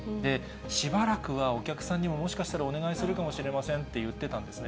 しばらくはお客さんにももしかしたらお願するかもしれませんって言ってたんですね。